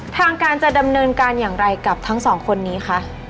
ทางการจะดำเนินการอย่างไรกับทั้งสองคนนี้คะ